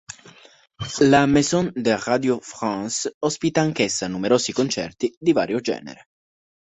La Maison de Radio France ospita anch'essa numerosi concerti di vario genere.